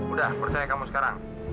udah percaya kamu sekarang